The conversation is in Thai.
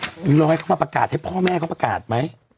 ท้ำก็ไปมาประกาศป่ายพ่อแม่ประกาศไหม